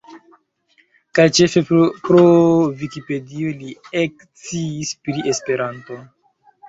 Kaj ĉefe pro Vikipedio li eksciis pri Esperanto.